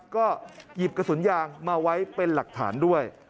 ก็หยิบกระสุนยางมาไว้เป็นหลักฐานด้วย